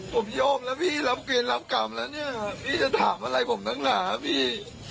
ผมยอมแล้วพี่รับเกณฑ์รับกรรมแล้วเนี่ยพี่จะถามอะไรผมนักหนาพี่